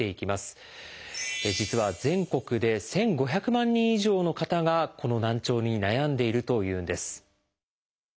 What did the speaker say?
実は全国で１，５００万人以上の方がこの難聴に悩んでいるというんです。